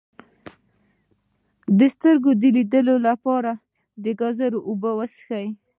د سترګو د لید لپاره د ګازرې اوبه وڅښئ